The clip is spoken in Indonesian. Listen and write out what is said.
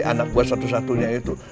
anak buat satu satunya itu